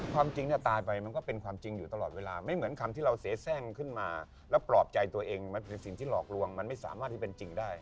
ความจริงเนี่ยตายไปมันก็เป็นความจริงอยู่ตลอดเวลาไม่เหมือนคำที่เราเสียแทร่งขึ้นมาแล้วปลอบใจตัวเองมันเป็นสิ่งที่หลอกลวงมันไม่สามารถที่เป็นจริงได้